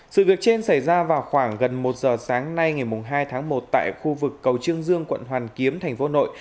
sự việc trên xảy ra vào khoảng gần một giờ sáng nay ngày hai tháng một tại khu vực cầu trương dương quận hoàn kiếm thành phố hà nội